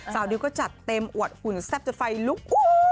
ดิวก็จัดเต็มอวดหุ่นแซ่บจนไฟลุก